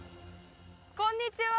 こんにちは！